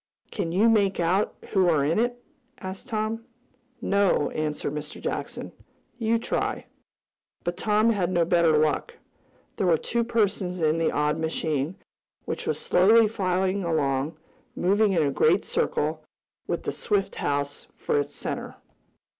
"Can you make out who are in it?" asked Tom. "No," answered Mr. Jackson. "You try." But Tom had no better luck. There were two persons in the odd machine, which was slowly flying along, moving in a great circle, with the Swift house for its center.